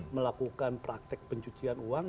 melakukan praktek pencucian uang